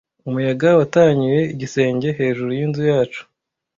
Umuyaga watanyuye igisenge hejuru y'inzu yacu.